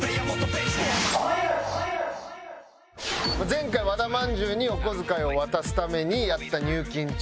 前回和田まんじゅうにお小遣いを渡すためにやった入金中。